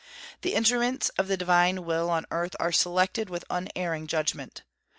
The instruments of the Divine Will on earth are selected with unerring judgment.